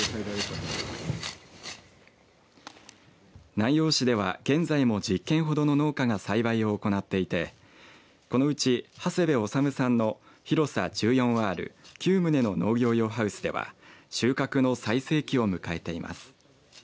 南陽市では現在も１０軒ほどの農家が栽培を行っていてこのうち長谷部修さんの広さ１４アール９棟の農業用ハウスでは収穫の最盛期を迎えています。